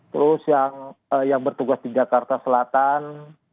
terus yang bertugas di jakarta selatan